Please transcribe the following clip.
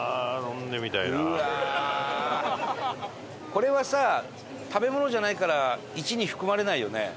これはさ食べ物じゃないから１に含まれないよね？